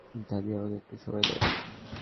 দাদী, আমাকে একটু সময় দাও।